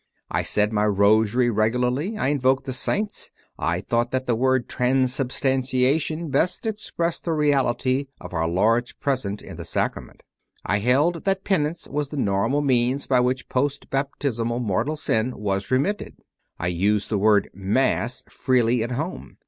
I said my Rosary regularly; I invoked the saints; I thought that the word " Transubstantiation " best expressed the reality of Our Lord s presence in the Sacrament; I held that Penance was the normal means by which post baptismal mortal sin was remitted; I used the word "Mass" freely at home.